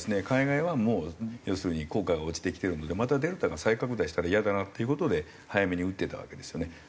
海外はもう要するに効果が落ちてきてるのでまたデルタが再拡大したらイヤだなっていう事で早めに打ってたわけですよね。